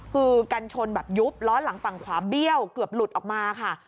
คือกันชนแบบยุบล้อหลังฝั่งขวาเบี้ยวเกือบหลุดออกมาค่ะ